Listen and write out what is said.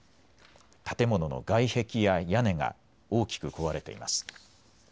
建物の外壁や屋根が大きく壊れています。